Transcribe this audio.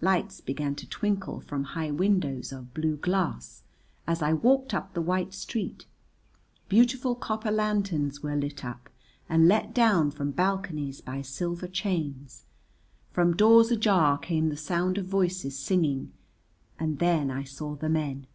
Lights began to twinkle from high windows of blue glass as I walked up the white street, beautiful copper lanterns were lit up and let down from balconies by silver chains, from doors ajar came the sound of voices singing, and then I saw the men.